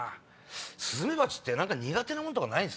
スズメバチって苦手なもんとかないんすか？